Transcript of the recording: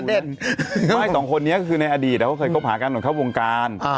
ทำความจริงอยู่ในอดีตเขาก็เคยเกาะผาอกันหรือเข้าวงกาน